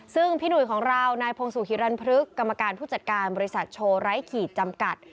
ซึ่งพี่หนุ่ยของเรานายพงศุฮิรันพฤกษกรรมการผู้จัดการบริษัทโชว์ไร้ขีดจำกัด